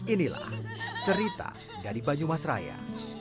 ini lah cerita dari banyumas raya